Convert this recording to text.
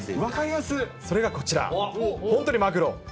それがこちら、本当に鮪。